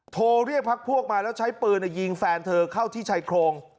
โทรเรียกพักพวกมาแล้วใช้ปืนยิงแฟนเธอเข้าที่ชายโครง